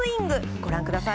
ご覧ください。